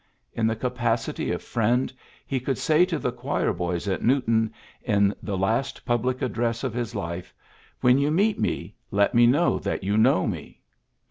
In the capacity of friend, he could say to the choir boys at Newton, in the last public address of his life, '^ When you meet me, let me know that you know me."